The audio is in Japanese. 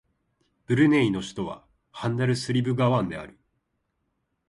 ブルネイの首都はバンダルスリブガワンである